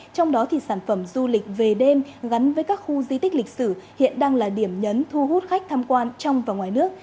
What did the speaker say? trong đó sản phẩm du lịch về đêm gắn với các khu di tích lịch sử hiện đang là điểm nhấn thu hút khách tham quan trong và ngoài nước